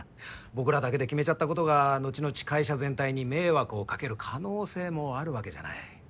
僕らだけで決めちゃったことが後々会社全体に迷惑をかける可能性もあるわけじゃない。